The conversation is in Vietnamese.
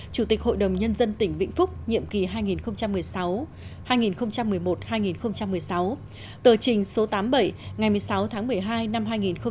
chủ tịch hội đồng nhân dân tỉnh vĩnh phúc nhiệm kỳ hai nghìn một mươi một hai nghìn một mươi sáu tờ trình số tám mươi bảy ngày một mươi sáu tháng một mươi hai năm hai nghìn một mươi bảy